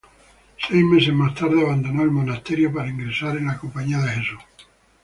Seis meses más tarde abandonó el monasterio para ingresar en la Compañía de Jesús.